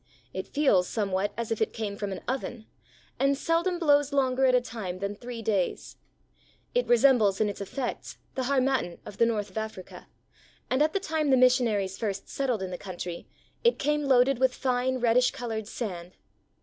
It feels somewhat as if it came from an oven, and seldom blows longer at a time than three days. It resembles in its effects the har mattan of the north of Africa, and at the time the mis sionaries first settled in the country, it came loaded with fine reddish colored sand.